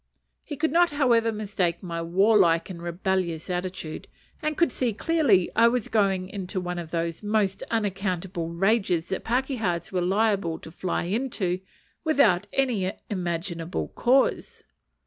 He could not, however, mistake my warlike and rebellious attitude, and could see clearly I was going into one of those most unaccountable rages that pakehas were liable to fly into, without any imaginable cause.